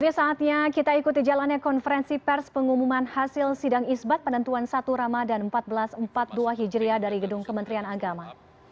jadi saatnya kita ikuti jalannya konferensi pers pengumuman hasil sidang isbat penentuan satu ramadhan seribu empat ratus empat puluh dua hijriah dari gedung kementerian agama